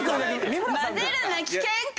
「混ぜるな危険か」。